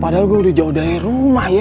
padahal gue udah jauh dari rumah ya